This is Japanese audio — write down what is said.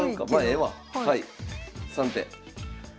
はい３手。